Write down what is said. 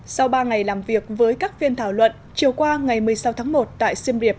sau ba ngày làm việc với các phiên thảo luận chiều qua ngày một mươi sáu tháng một tại siem reap